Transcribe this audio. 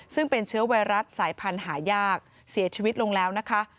ซึ่งเป็นเชื้อไวรัสสายพันธุ์หายากเสียชีวิตลงแล้วนะคะ